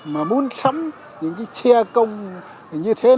mà muốn sắm những cái xe công như thế